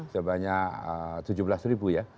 sebanyak tujuh belas ribu ya